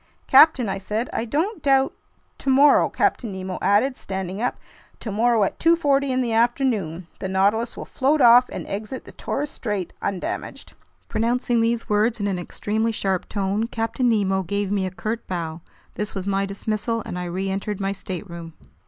"Captain," I said, "I don't doubt—" "Tomorrow," Captain Nemo added, standing up, "tomorrow at 2:40 in the afternoon, the Nautilus will float off and exit the Torres Strait undamaged." Pronouncing these words in an extremely sharp tone, Captain Nemo gave me a curt bow. This was my dismissal, and I reentered my stateroom.